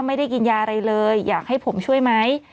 ไม่ได้กินยาอะไรเลยอยากให้ผมช่วยไหม